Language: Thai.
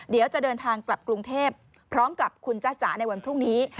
เดี๋ยวจะเดินทางกลับกรุงเทพพร้อมกับคุณจ้าจ๋าในวันพรุ่งนี้